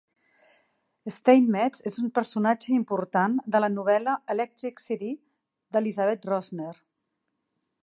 Steinmetz és un personatge important de la novel·la "Electric City" d'Elizabeth Rosner.